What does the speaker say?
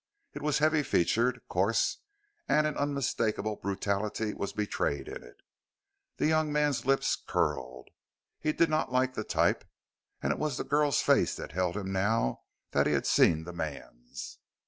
It was heavy featured, coarse, and an unmistakable brutality was betrayed in it. The young man's lips curled. He did not like the type, and it was the girl's face that held him now that he had seen the man's.